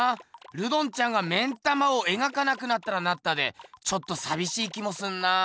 ルドンちゃんが目ん玉を描かなくなったらなったでちょっとさびしい気もするなあ。